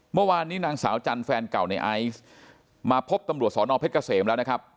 เมื่อวานนี้นางสาวจันทร์แฟนเก่าในไอซ์มาพบตำรวจสอนอเพชรเกษมแล้วนะครับ